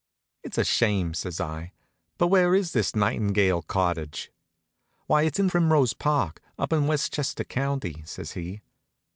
"It's a shame," says I. "But where is this Nightingale Cottage?" "Why, it's in Primrose Park, up in Westchester County," says he.